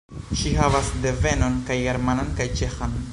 Ŝi havas devenon kaj germanan kaj ĉeĥan.